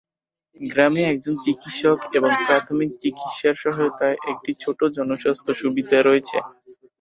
গ্রামে একজন চিকিৎসক এবং প্রাথমিক চিকিৎসার সহায়তায় একটি ছোট জনস্বাস্থ্য সুবিধা রয়েছে।